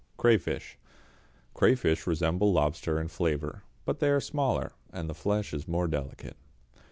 =Crayfish.= Crayfish resemble lobsters in flavour, but they are smaller, and the flesh is more delicate.